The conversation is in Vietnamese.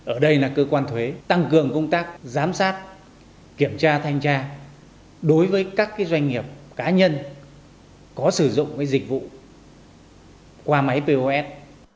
ở đây là cơ quan thuế tăng cường công tác giám sát kiểm tra thanh tra đối với các doanh nghiệp cá nhân có sử dụng dịch vụ qua máy pos